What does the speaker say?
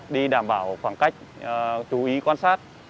đi đảm bảo khoảng cách chú ý quan sát